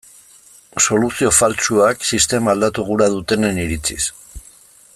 Soluzio faltsuak, sistema aldatu gura dutenen iritziz.